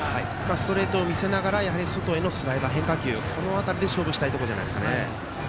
ストレートを見せながら外へのスライダー、変化球で勝負したいところですかね。